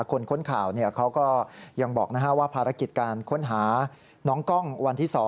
คนค้นข่าวเขาก็ยังบอกว่าภารกิจการค้นหาน้องกล้องวันที่๒